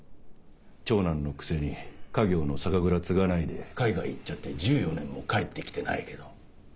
長男のくせに家業の酒蔵継がないで海外行っちゃって１４年も帰ってきてないけど。